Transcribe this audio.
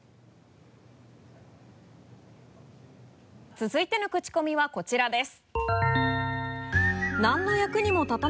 続いてのクチコミはこちらです。